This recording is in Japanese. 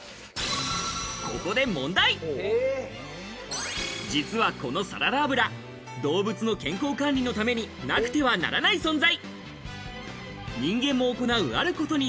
ここで問題、実はこのサラダ油、動物の健康管理のために、なくてはならない存在。